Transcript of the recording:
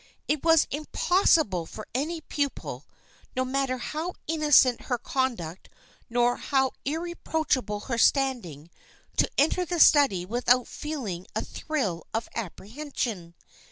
It was impossible for any pupil, no matter how innocent her conduct nor how irreproachable her standing, to enter the study without feeling a thrill of ap prehension.